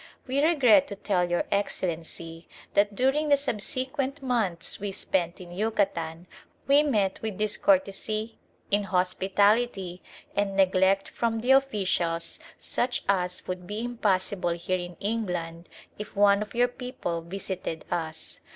We regret to tell Your Excellency that during the subsequent months we spent in Yucatan we met with discourtesy, inhospitality and neglect from the officials such as would be impossible here in England if one of your people visited us.